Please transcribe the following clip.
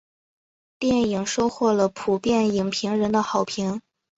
电影收获了普遍影评人的好评。